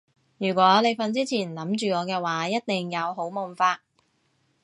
如果你瞓之前諗住我嘅話一定有好夢發